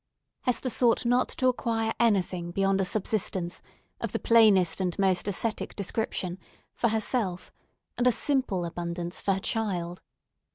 Hester sought not to acquire anything beyond a subsistence, of the plainest and most ascetic description, for herself, and a simple abundance for her child.